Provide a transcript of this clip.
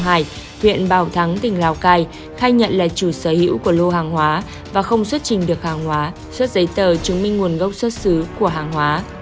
huyện bảo thắng tỉnh lào cai khai nhận là chủ sở hữu của lô hàng hóa và không xuất trình được hàng hóa xuất giấy tờ chứng minh nguồn gốc xuất xứ của hàng hóa